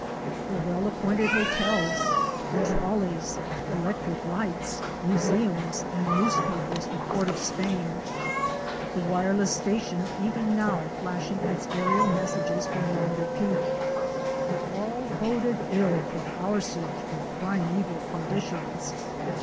The well appointed hotels, 3 4 OUR SEARCH FOR A WILDERNESS. the trolleys, electric lights, museums, and newspapers of Port of Spain, the wireless station even now flashing its aérial messages from yonder peak, — all boded ill for our search for primeval conditions.